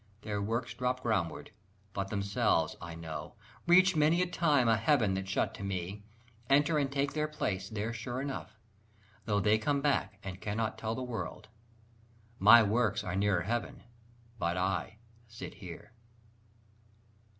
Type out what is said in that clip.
Their works drop groundward, but themselves, I know, Reach many a time a heaven that's shut to me, Enter and take their place there sure enough, Though they come back and cannot tell the world. My works are nearer heaven, but I sit here.